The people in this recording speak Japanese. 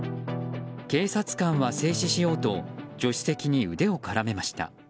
警察官は、制止しようと助手席に腕を絡めました。